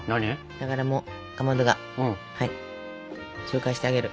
だからもうかまどが紹介してあげる。